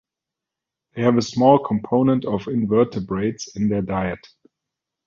They have a small component of Invertebrates in their diet.